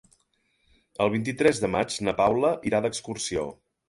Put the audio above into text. El vint-i-tres de maig na Paula irà d'excursió.